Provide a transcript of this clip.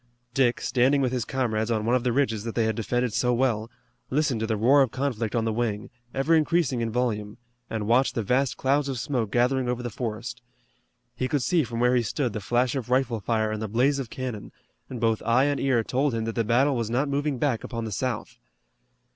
Dick, standing with his comrades on one of the ridges that they had defended so well, listened to the roar of conflict on the wing, ever increasing in volume, and watched the vast clouds of smoke gathering over the forest. He could see from where he stood the flash of rifle fire and the blaze of cannon, and both eye and ear told him that the battle was not moving back upon the South.